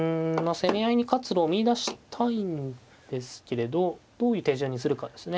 攻め合いに活路を見いだしたいんですけれどどういう手順にするかですね。